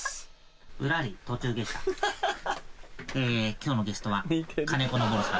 今日のゲストは金子昇さん。